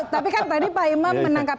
tapi kan tadi pak imam menangkap